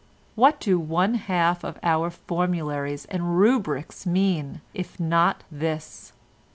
What do one half of our formularies and rubrics mean if not this?